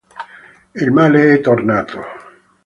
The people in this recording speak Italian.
Il male è tornato.